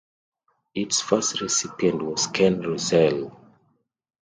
Its first recipient was Ken Russell.